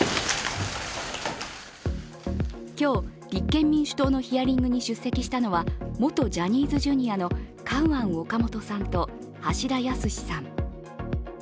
今日、立憲民主党のヒアリングに出席したのは元ジャニーズＪｒ．のカウアン・オカモトさんと橋田康さん。